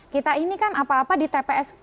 kita ini kan apa apa di tps